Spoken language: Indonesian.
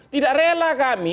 tidak rela kami